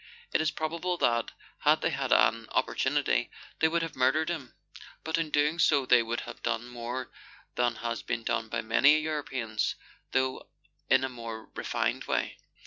It is probable that, had they had mi opportunity, they would have murdered him ; but in doing so would they have done more than has been done by many Europeans, though in a more refined way